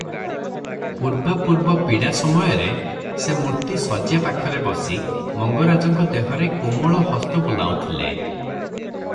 ପୂର୍ବାପୂର୍ବ ପୀଡ଼ା ସମୟରେ ସେ ମୂର୍ତ୍ତି ଶଯ୍ୟା ପାଖରେ ବସି ମଙ୍ଗରାଜଙ୍କ ଦେହରେ କୋମଳ ହସ୍ତ ବୁଲାଉଥିଲେ ।